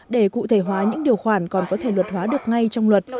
để cụ thể hóa những điều khoản còn có thể luật hóa được ngay trong luật